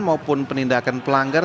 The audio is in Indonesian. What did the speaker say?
maupun penindakan pelanggar